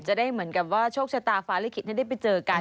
จะได้เหมือนกับว่าโชคชะตาฟ้าลิขิตให้ได้ไปเจอกัน